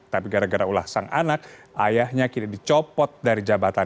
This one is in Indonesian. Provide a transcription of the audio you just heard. tapi gara gara ulah sang anak ayahnya kini dicopot dari jabatan